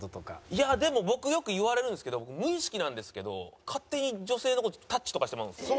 いやでも僕よく言われるんですけど無意識なんですけど勝手に女性の事タッチとかしてまうんですよ。